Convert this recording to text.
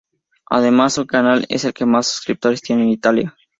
Además, su canal es el que más suscriptores tiene en Italia.